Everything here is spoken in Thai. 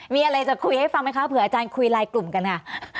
มีอะไรจะคุยให้ฟังไหมคะเผื่ออาจารย์คุยไลน์กลุ่มกันค่ะ